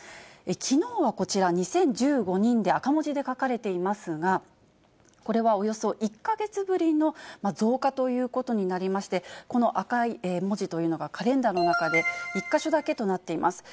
きのうはこちら、２０１５人で、赤文字で書かれていますが、これはおよそ１か月ぶりの増加ということになりまして、この赤い文字というのが、カレンダーの中で１か所だけとなっています。